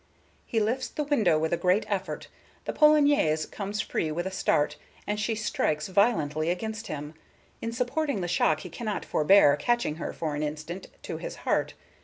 He lifts the window with a great effort; the polonaise comes free with a start, and she strikes violently against him. In supporting the shock he cannot forbear catching her for an instant to his heart.